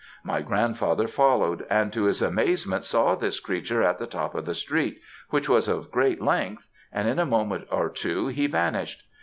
My grandfather followed, and to his amazement saw this creature at the top of the street, which was of great length, and in a moment or two he vanished.